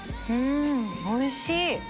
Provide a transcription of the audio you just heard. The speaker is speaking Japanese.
うんおいしい！